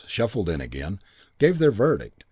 Shuffled in again. Gave their verdict.